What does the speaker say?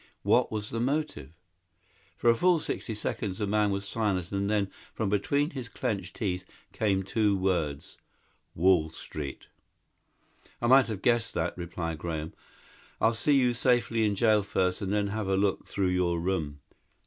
What was the motive?" For a full sixty seconds the man was silent and then, from between his clenched teeth, came two words, "Wall Street." "I might have guessed that," replied Graham. "I'll see you safely in jail first and then have a look through your room.